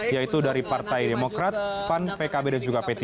yaitu dari partai demokrat pan pkb dan juga p tiga